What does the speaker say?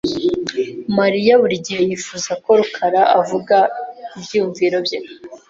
Mariya buri gihe yifuza ko rukara avuga ibyiyumvo bye .